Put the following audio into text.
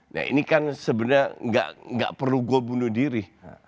nah ini kan sebenarnya nggak perlu gue bunuh diri